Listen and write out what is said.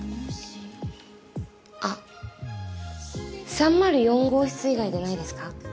あっ３０４号室以外でないですか？